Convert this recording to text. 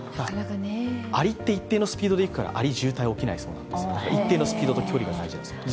アリって一定の距離でいくから渋滞が起きないそうで一定のスピードと距離が大事だそうです。